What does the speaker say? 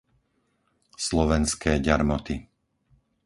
Slovenské Ďarmoty